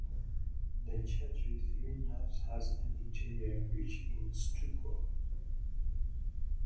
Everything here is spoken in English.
The church with three naves has an interior rich in stucco.